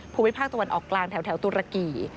ภูมิภาคตะวันออกกลางแถวตุรกี